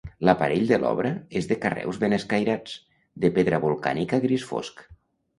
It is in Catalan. L'aparell de l'obra és de carreus ben escairats, de pedra volcànica gris fosc.